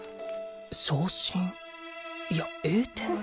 昇進？いや栄転？